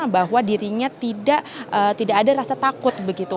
bahwa dirinya tidak ada rasa takut begitu